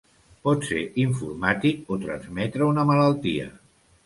Pot ser informàtic o transmetre una malaltia.